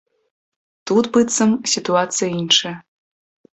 Тут, быццам, сітуацыя іншая.